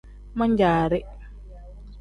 Man-jaari.